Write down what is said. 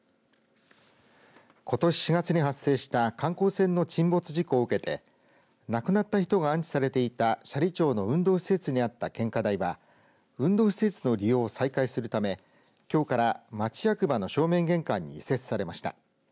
ことし４月に発生した観光船の沈没事故を受けて亡くなった人が安置されていた斜里町の運動施設にあった献花台は運動施設の利用を再開するため、きょうから町役場の正面玄関に移設されました。